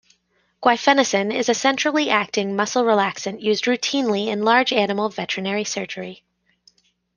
Guaifenesin is a centrally acting muscle relaxant used routinely in large-animal veterinary surgery.